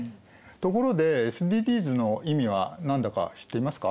ところでＳＤＧｓの意味は何だか知っていますか？